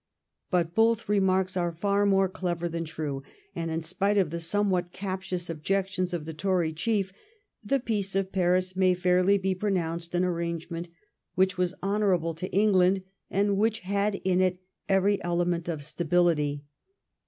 But both remarks are far more clever than true, and in spite of the somewhat captious objections of the Tory chief, the Peace of Paris may fairly be pronounced an arrangement which was honourable to England, and which had in it every ele ment of stability.